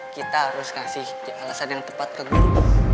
kita harus kasih alasan yang tepat ke guru